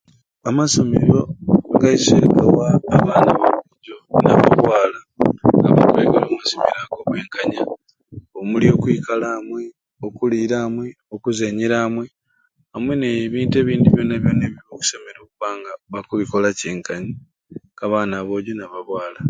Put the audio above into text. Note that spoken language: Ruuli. Amasomero gaiswe gawa abaana aboojo n'ababwala omumasomero obwenkanya omuli okwikal'amwe okuliir'amwe okuzenyer'amwe amwe n'ebintu ebindi byona byona okubba nga bakubikola kyenkanyi k'abaana ba bwojo n'ababwala.